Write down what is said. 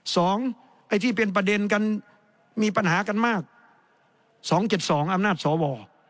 ไอ้ที่เป็นประเด็นกันมีปัญหากันมากสองเจ็ดสองอำนาจสว